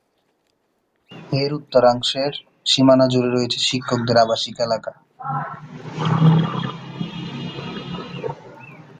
এর উত্তরাংশের সীমানা জুড়ে রয়েছে শিক্ষকদের আবাসিক এলাকা।